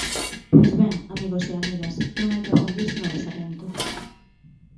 Pois ben, amigos e amigas, non hai que afundirse no desalento.